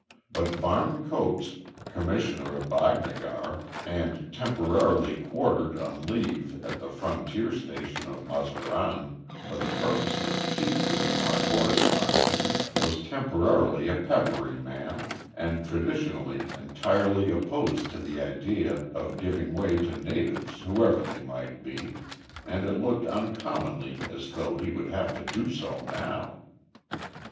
But Varne Coates, Commissioner of Baghnagar, and temporarily quartered on leave at the frontier station of Mazaran for the purposes chiefly of markhor stalking, was temperamentally a peppery man, and traditionally entirely opposed to the idea of giving way to natives whoever they might be. And it looked uncommonly as though he would have to do so now.